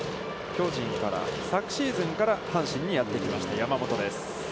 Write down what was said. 巨人から昨シーズンから阪神にやってきました山本です。